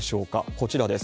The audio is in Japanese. こちらです。